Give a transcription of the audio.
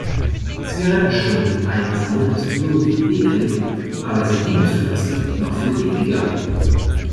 Zigarettenstummel einsammeln ist irgendwie eklig, aber sie liegen zu lassen, noch viel ekliger.